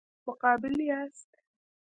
مقابل یاست.